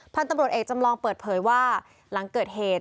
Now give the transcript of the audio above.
พันธุ์ตำรวจเอกจำลองเปิดเผยว่าหลังเกิดเหตุ